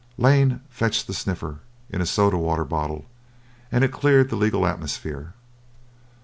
Lane fetched the stiffener in a soda water bottle, and it cleared the legal atmosphere.